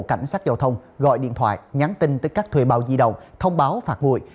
cảnh sát giao thông gọi điện thoại nhắn tin tới các thuê bào di động thông báo phạt ngùi